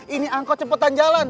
ini angkot cepetan jalan